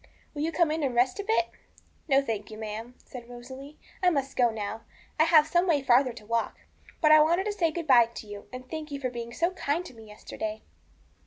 'Will you come in and rest a bit?' 'No, thank you, ma'am,' said Rosalie; 'I must go now; I have some way farther to walk; but I wanted to say good bye to you, and to thank you for being so kind to me yesterday.'